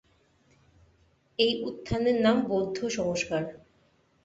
এই উত্থানের নাম বৌদ্ধ সংস্কার।